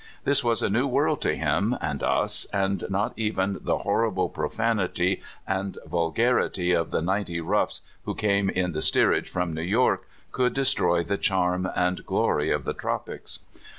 This was a new world to him and us, and not even the horrible profanity and vulgarity of the ninety " roughs " who came in the steerage from New York could destroy the charm and glory of the tropics.